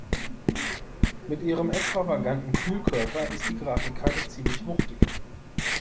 Mit ihrem extravaganten Kühlkörper ist die Grafikkarte ziemlich wuchtig.